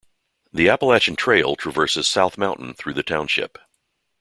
The Appalachian Trail traverses South Mountain through the township.